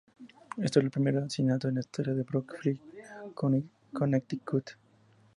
Esto era el primer asesinato en la historia de Brookfield, Connecticut.